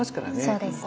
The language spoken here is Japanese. そうですね。